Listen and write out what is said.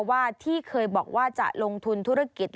ว่าที่เคยบอกว่าจะลงทุนธุรกิจ